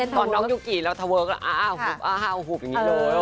ตอนน้องยุกิแล้วทะเวิร์กอ้าวหุบอ้าวหุบอย่างนี้เลย